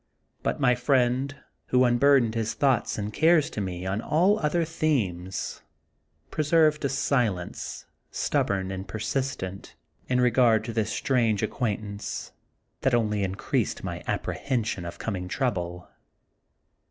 But my friend, who unburdened his thoughts and cares to me on all other themes, preserved a silence, stubborn and persistent, in regard to this strange ac quaintance, that only increased my appre hension of coming trouble.